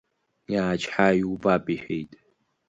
Иаачҳа, иубап иҳәеит.